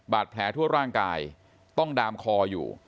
บาดแผลทั่วร่างกายต้องดามคออยู่